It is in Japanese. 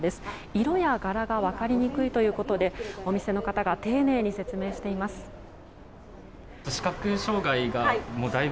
色や柄がわかりにくいということでお店の方が丁寧に説明しています。